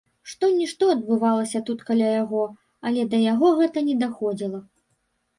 Што-нішто адбывалася тут каля яго, але да яго гэта не даходзіла.